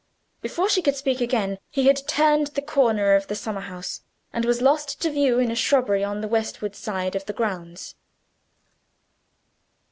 Before she could speak again, he had turned the corner of the summer house, and was lost to view in a shrubbery on the westward side of the grounds.